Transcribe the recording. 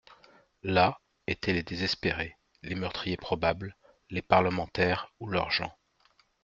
Là étaient les désespérés, les meurtriers probables, les parlementaires ou leurs gens.